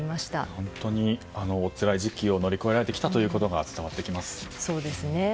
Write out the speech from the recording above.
本当に、おつらい時期を乗り越えられてきたということが伝わってきますね。